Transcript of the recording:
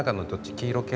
黄色系？